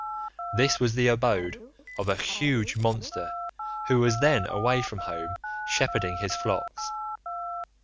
This was the abode of a huge monster who was then away from home shepherding his flocks.